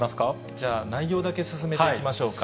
じゃあ、内容だけ進めていきましょうか。